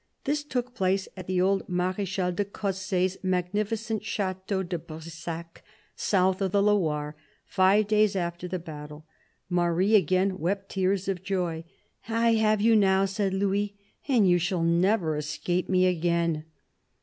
This took place at the old Marechal de Cosse's magnificent Chateau de Brissac, south of the Loire, five days after the battle. Marie again wept tears of joy. " I have you now," said Louis, " and you shall never escape me again."